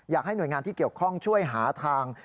อยากให้หน่วยงานที่เกี่ยวข้องช่วยหาทาง